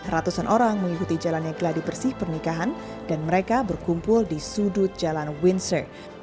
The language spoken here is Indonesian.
ratusan orang mengikuti jalannya geladi bersih pernikahan dan mereka berkumpul di sudut jalan windsor